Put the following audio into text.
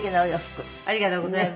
ありがとうございます。